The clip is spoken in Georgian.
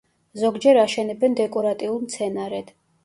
ზოგჯერ აშენებენ დეკორატიულ მცენარედ.